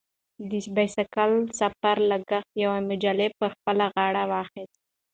د بایسکل سفر لګښت یوه مجله پر خپله غاړه واخیست.